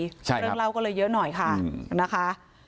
เรื่องเล่าก็เลยเยอะหน่อยค่ะนะคะ